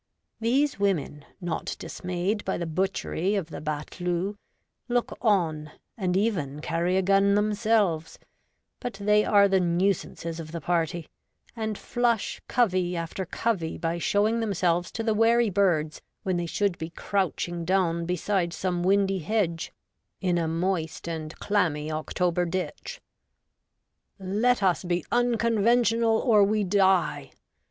These women, not dismayed by the butchery of the battue, look on, and even carry a gun themselves ; but they are the nuisances of the party, and flush covey after covey by showing themselves to the wary birds when they should be crouching down beside some windy hedge, in a moist and clammy October ditch. ' Let us be unconventional, or we die